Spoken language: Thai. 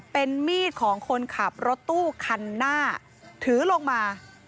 เป็นมีดของคนขับรถตู้คันหน้าถือลงมา